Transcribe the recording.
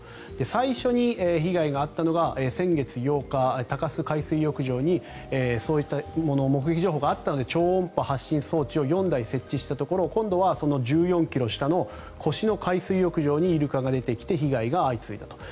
最初に被害があったのが先月８日鷹巣海水浴場にそういった目撃情報があったので超音波発信装置を４台設置したところ今度は１４ｋｍ下の越廼海水浴場にイルカが出てきて被害が相次いだと。